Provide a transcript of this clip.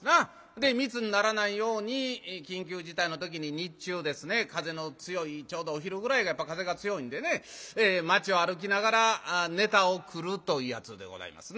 で密にならないように緊急事態の時に日中ですね風の強いちょうどお昼ぐらいがやっぱ風が強いんでね街を歩きながら「ネタを繰る」というやつでございますな。